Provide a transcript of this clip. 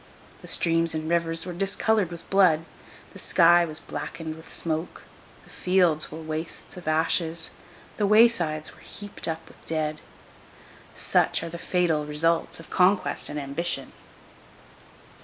The streams and rivers were discoloured with blood; the sky was blackened with smoke; the fields were wastes of ashes; the waysides were heaped up with dead. Such are the fatal results of conquest and ambition!